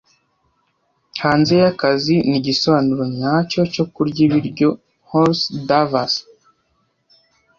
Hanze y'akazi ni igisobanuro nyacyo cyo kurya ibiryo Hors Derves